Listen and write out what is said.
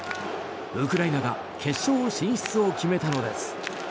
ウクライナが決勝進出を決めたのです。